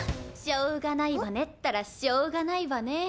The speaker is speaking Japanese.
しょうがないわねったらしょうがないわね。